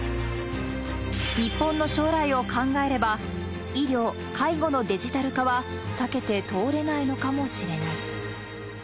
日本の将来を考えれば、医療・介護のデジタル化は避けて通れないのかもしれない。